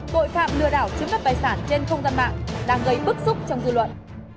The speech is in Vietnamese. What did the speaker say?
tội phạm lừa đảo chiếm đất tài sản trên không gian mạng đang gây bức xúc trong dư luận